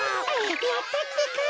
やったってか。